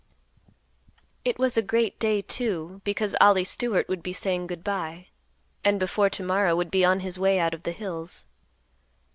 It was a great day, too, because Ollie Stewart would be saying good by, and before to morrow would be on his way out of the hills.